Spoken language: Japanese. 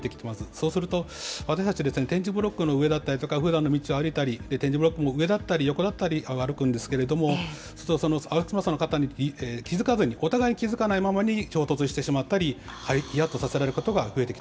そうすると、私たち、点字ブロックの上だったりとか、ふだんの道を歩いたり、点字ブロックの上だったり横だったりを歩くんですけれども、歩きスマホの方に気付かずに、お互いに気付かないままに衝突してしまったり、ひやっとさ三宅さん